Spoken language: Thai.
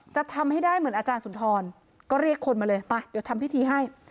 จะทำให้ได้เหมือนอาจารย์สุนทรก็เรียกคนมาเลยไปเดี๋ยวทำพิธีให้